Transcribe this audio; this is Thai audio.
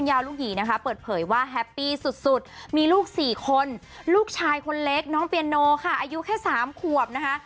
อายุแค่๓ขวบนะฮะ